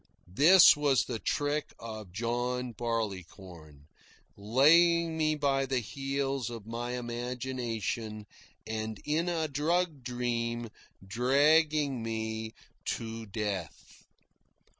This was the trick of John Barleycorn, laying me by the heels of my imagination and in a drug dream dragging me to death.